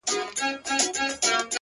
خدایه معلوم یمه؛ منافقت نه کوم؛